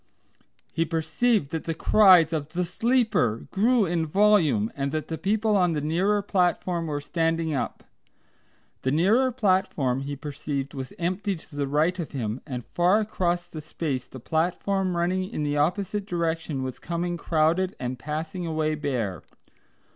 He perceived that the cries of "The Sleeper!" grew in volume, and that the people on the nearer platform were standing up. The nearer platform he perceived was empty to the right of him, and far across the space the platform running in the opposite direction was coming crowded and passing away bare.